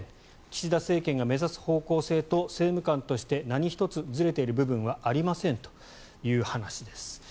岸田政権が目指す方向性と政務官として何一つずれている部分はありませんという話です。